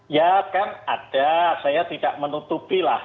ya kan ada saya tidak menutupi lah